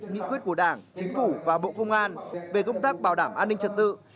nghị quyết của đảng chính phủ và bộ công an về công tác bảo đảm an ninh trật tự